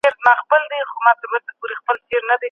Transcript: پر سیاسي څېړنو باندې تل شک سوی وو.